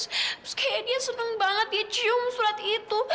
terus kayak dia seneng banget dia cium surat itu